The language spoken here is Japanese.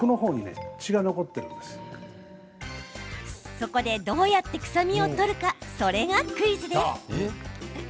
そこで、どうやって臭みを取るかそれがクイズです。